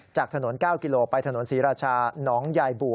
จากถนน๙กิโลไปถนนศรีราชาน้องยายบู่